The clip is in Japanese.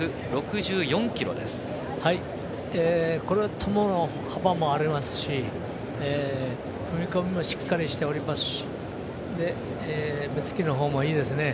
トモの幅もありますし踏み込みもしっかりしておりますし目つきのほうもいいですね。